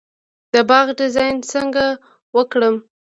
د باغ ډیزاین څنګه وکړم؟